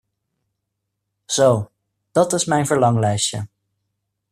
Zo, dat is mijn verlanglijstje.